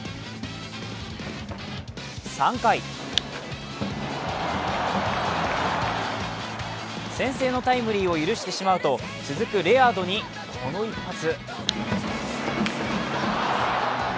３回、先制のタイムリーを許してしまうと続くレアードにこの１発。